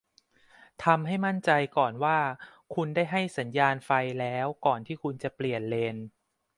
ทำให้มั่นใจก่อนว่าคุณได้ให้สัญญาณไฟแล้วก่อนที่คุณจะเปลี่ยนเลน